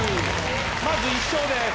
まず１勝です。